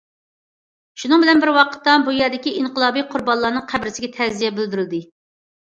شۇنىڭ بىلەن بىر ۋاقىتتا، بۇ يەردىكى ئىنقىلابىي قۇربانلارنىڭ قەبرىسىگە تەزىيە بىلدۈردى.